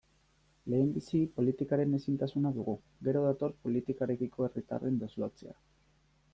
Lehenbizi politikaren ezintasuna dugu, gero dator politikarekiko herritarren deslotzea.